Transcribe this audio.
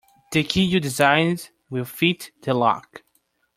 The key you designed will fit the lock.